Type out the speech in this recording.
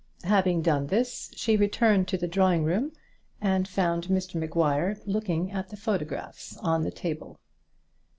Having done this she returned to the drawing room, and found Mr Maguire looking at the photographs on the table.